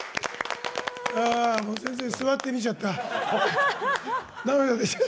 座って見ちゃった。